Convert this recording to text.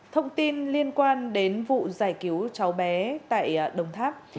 thông tin liên quan đến vụ giải cứu cháu bé tại đồng tháp